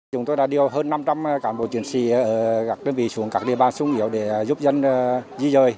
chúng tôi đã điều hơn năm trăm linh cán bộ chiến sĩ ở các địa bàn sung yếu để giúp dân di rời